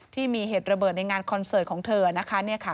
ที่มีเหตุระเบิดในงานคอนเสิร์ตของเธอนะคะ